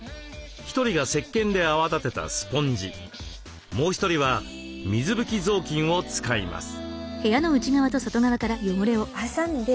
１人がせっけんで泡立てたスポンジもう１人は水拭き雑巾を使います。